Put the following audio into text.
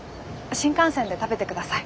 新幹線で食べてください。